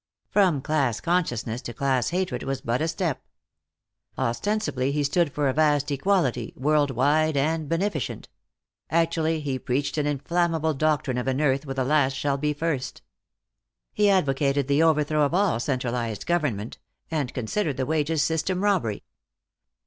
From class consciousness to class hatred was but a step. Ostensibly he stood for a vast equality, world wide and beneficent; actually he preached an inflammable doctrine of an earth where the last shall be first. He advocated the overthrow of all centralized government, and considered the wages system robbery.